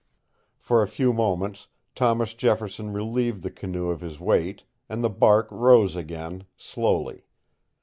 For a few moments Thomas Jefferson relieved the canoe of his weight, and the bark rose again, slowly.